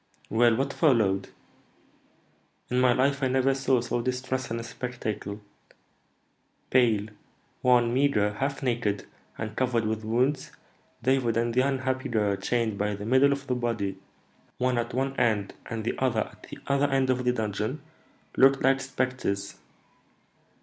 "Well, what followed?" "In my life I never saw so distressing a spectacle. Pale, wan, meagre, half naked, and covered with wounds, David and the unhappy girl, chained by the middle of the body, one at one end and the other at the other end of the dungeon, looked like spectres.